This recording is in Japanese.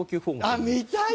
あっ見たい！